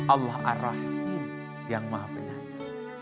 allah ar rahim yang maha penyata